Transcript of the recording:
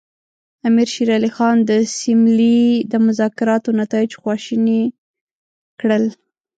امیر شېر علي خان د سیملې د مذاکراتو نتایج خواشیني کړل.